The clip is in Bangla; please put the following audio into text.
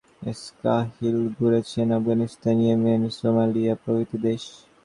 পেশাগত দায়িত্ব পালন করতে গিয়ে স্কাহিল ঘুরেছেন আফগানিস্তান, ইয়েমেন, সোমালিয়া প্রভৃতি দেশে।